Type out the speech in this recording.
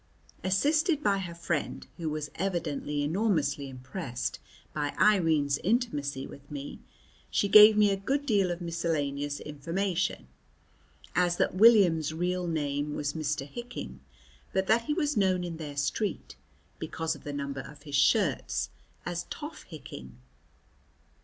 Assisted by her friend, who was evidently enormously impressed by Irene's intimacy with me, she gave me a good deal of miscellaneous information, as that William's real name was Mr. Hicking, but that he was known in their street, because of the number of his shirts, as Toff Hicking.